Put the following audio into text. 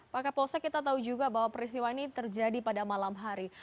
pak kapolsek kita tahu juga bahwa peristiwa ini terjadi pada malam hari